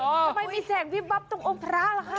ทำไมมีแสงวิบวับตรงองค์พระล่ะคะ